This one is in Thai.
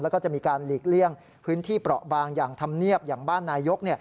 แล้วก็จะมีการหลีกเลี่ยงพื้นที่เปราะบางอย่างธรรมเนียบอย่างบ้านนายก